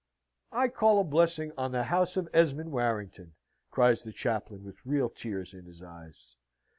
"I call a blessing on the house of Esmond Warrington!" cries the chaplain, with real tears in his eyes.